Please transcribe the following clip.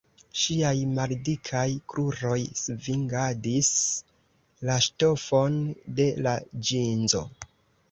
Ŝiaj maldikaj kruroj svingadis la ŝtofon de la ĵinzo.